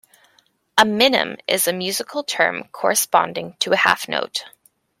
A minim is a musical term corresponding to a half note